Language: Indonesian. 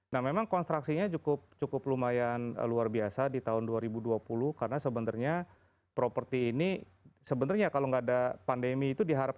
nah memang konstruksinya cukup lumayan luar biasa di tahun dua ribu dua puluh karena sebenarnya properti ini sebenarnya kalau nggak ada pandemi itu diharapkan